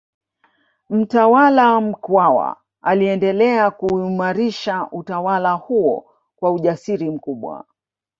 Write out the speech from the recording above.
Mtawala Mkwawa aliendelea kuuimarisha utawala huo kwa ujasiri mkubwa